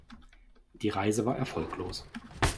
Die Reise war erfolglos.